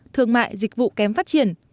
thương mại dịch vụ kém phát triển